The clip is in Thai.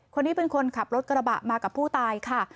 คนนี้เป็นคนขับรถกระบะมากับผู้ตายค่ะ